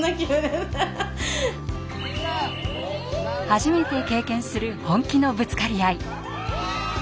初めて経験する本気のぶつかり合い。